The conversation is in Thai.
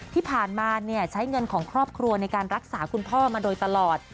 ที่ผ่านมาใช้เงินของครอบครัวในการรักษาคุณพ่อมาโดยตลอด